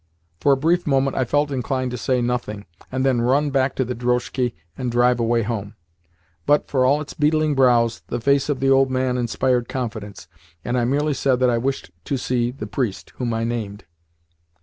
For a brief moment I felt inclined to say "Nothing," and then run back to the drozhki and drive away home; but, for all its beetling brows, the face of the old man inspired confidence, and I merely said that I wished to see the priest (whom I named).